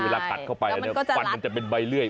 เวลาตัดเข้าไปฟันมันจะเป็นใบเลื่อย